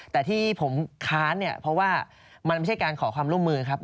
แต่ที่ผมค้านเนี่ยเพราะว่ามันไม่ใช่การขอความร่วมมือครับ